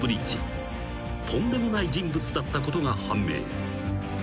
［とんでもない人物だったことが判明］